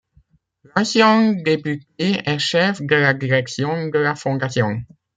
L'ancienne députée est chef de la direction de la fondation.